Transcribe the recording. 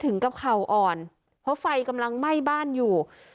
ถึงกับเข่าอ่อนเพราะไฟกำลังไหม้บ้านอยู่